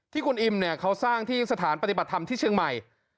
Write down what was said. ที่คุณอิมเนี่ยเขาสร้างที่สถานปฏิบัติธรรมที่เชียงใหม่